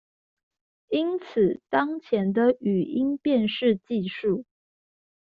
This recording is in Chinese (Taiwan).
因此當前的語音辨識技術